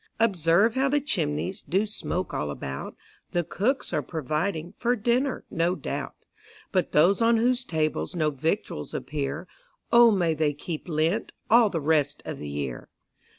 Observe how the chimneys Do smoke all about; The cooks are providing For dinner, no doubt; But those on whose tables No victuals appear, O may they keep Lent All the rest of the year.